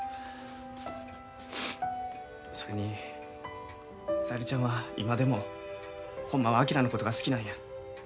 それに小百合ちゃんは今でもほんまは昭のことが好きなんや。